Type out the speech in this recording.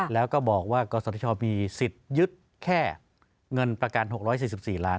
แล้วก็บอกว่ากศชมีสิทธิ์ยึดแค่เงินประกัน๖๔๔ล้าน